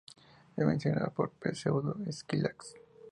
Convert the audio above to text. Es mencionada por Pseudo-Escilax.